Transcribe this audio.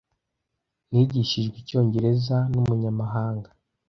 Nigishijwe icyongereza numunyamahanga.